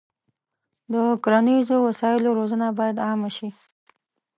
د کرنیزو وسایلو روزنه باید عامه شي.